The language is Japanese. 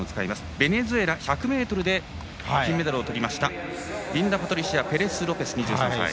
ベネズエラ、１００ｍで金をとったリンダパトリシア・ペレスロペス２３歳。